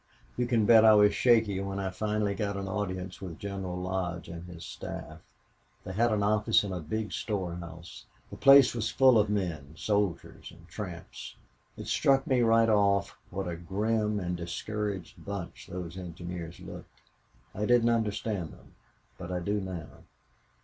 You can bet I was shaky when I finally got an audience with General Lodge and his staff. They had an office in a big storehouse. The place was full of men soldiers and tramps. It struck me right off what a grim and discouraged bunch those engineers looked. I didn't understand them, but I do now....